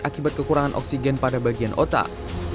akibat kekurangan oksigen pada bagian otak